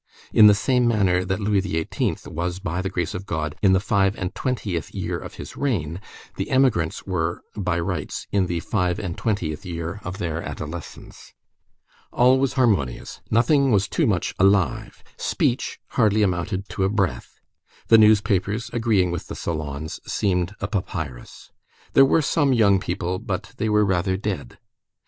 In the same manner that Louis XVIII. was by the grace of God, in the five and twentieth year of his reign, the emigrants were, by rights, in the five and twentieth year of their adolescence. All was harmonious; nothing was too much alive; speech hardly amounted to a breath; the newspapers, agreeing with the salons, seemed a papyrus. There were some young people, but they were rather dead.